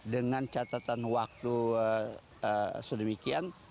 dengan catatan waktu sedemikian